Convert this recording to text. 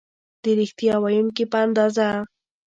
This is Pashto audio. د ریښتیا ویونکي په اندازه